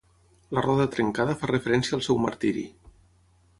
La roda trencada fa referència al seu martiri.